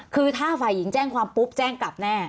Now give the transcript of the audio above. คือถ้าฝ่ายหญิงแจ้งความปุ๊บแจ้งกลับแน่